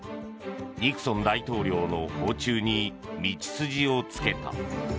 ニクソン大統領の訪中に道筋をつけた。